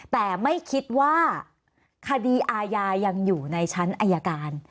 แต่ไม่คิดว่าคดีอาญายังอยู่ในชั้นอายการ